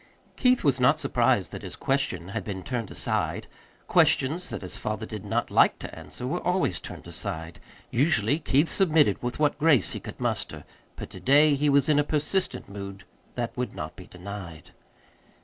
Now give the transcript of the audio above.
Keith was not surprised that his question had been turned aside: questions that his father did not like to answer were always turned aside. Usually Keith submitted with what grace he could muster; but to day he was in a persistent mood that would not be denied.